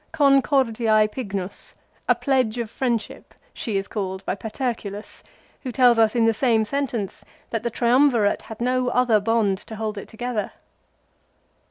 " Concordiae pignus ;" a " pledge of friendship," she is called by Paterculus, who tells us in the same sentence that the Triumvirate had no other bond to hold it together.